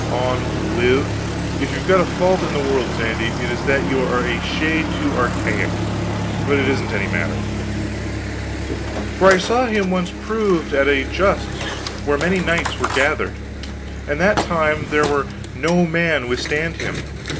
"On live. If you've got a fault in the world, Sandy, it is that you are a shade too archaic. But it isn't any matter." " for I saw him once proved at a justs where many knights were gathered, and that time there might no man withstand him.